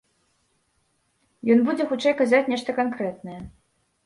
Ён будзе хутчэй казаць нешта канкрэтнае.